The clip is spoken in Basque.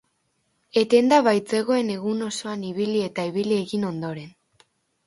Etenda baitzegoen, egun osoan ibili eta ibili egin ondoren.